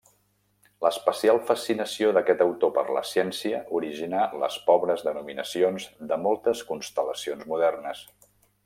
L'especial fascinació d'aquest autor per la ciència originà les pobres denominacions de moltes constel·lacions modernes.